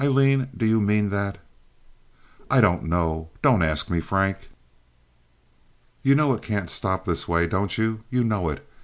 "Aileen! Do you mean that?" "I don't know. Don't ask me, Frank." "You know it can't stop this way, don't you? You know it.